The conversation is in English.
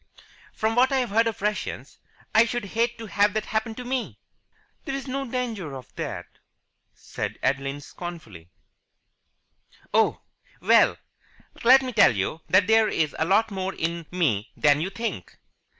"From what I've heard of Russians, I should hate to have that happen to me." "There is no danger of that," said Adeline scornfully. "Oh! Well, let me tell you that there is a lot more in me than you think."